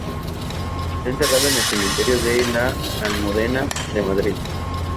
Está enterrado en el Cementerio de la Almudena de Madrid.